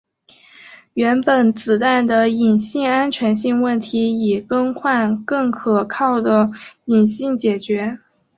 原本子弹的引信安全型问题以更换更可靠的引信解决。